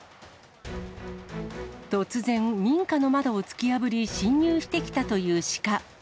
突然、民家の窓を突き破り、侵入してきたという鹿。